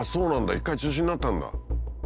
一回中止になったんだ。